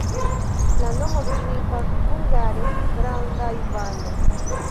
La nomo signifas hungare: granda Ivano.